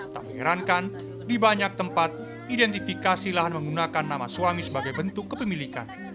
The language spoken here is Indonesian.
tak menyerankan di banyak tempat identifikasi lahan menggunakan nama suami sebagai bentuk kepemilikan